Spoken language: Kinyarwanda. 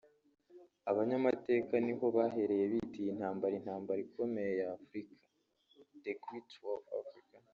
Abanyamateka niho bahereye bita iyi ntambara Intambara Ikomeye ya Afurika (The Great War of Africa)